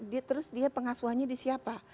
dia terus dia pengasuhannya di siapa